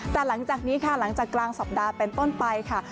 แต่หลังจากนี้ค่ะหลังจากกลางสัปดาห์เป็นต้นไปค่ะ